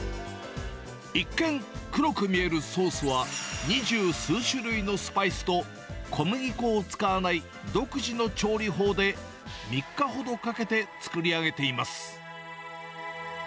一見、黒く見えるソースは二十数種類のスパイスと、小麦粉を使わない独自の調理法で３日ほどかけて作り上げています。